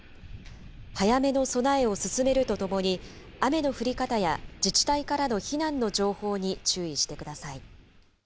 早めの備えを進めるとともに、雨の降り方や、自治体からの避難の情報に注意してください。